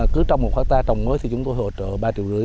cứ trong một hectare trồng mới thì chúng tôi hỗ trợ ba triệu rưỡi